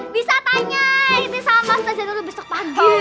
bisa tanya sama mas taja dulu besok pagi